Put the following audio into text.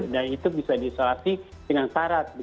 dan itu bisa diisolasi dengan syarat